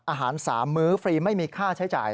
อาหาร๓มื้อฟรีไม่มีค่าใช้จ่าย